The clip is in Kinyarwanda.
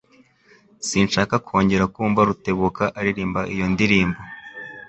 Sinshaka kongera kumva Rutebuka aririmba iyo ndirimbo.